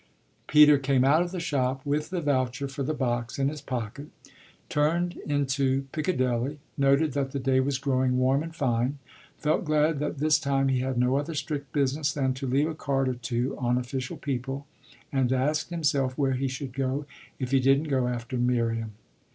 Peter came out of the shop with the voucher for the box in his pocket, turned into Piccadilly, noted that the day was growing warm and fine, felt glad that this time he had no other strict business than to leave a card or two on official people, and asked himself where he should go if he didn't go after Miriam.